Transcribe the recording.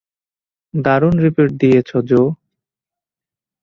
দারুন রিপোর্ট দিয়েছো, জো।